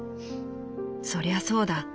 「そりゃそうだ。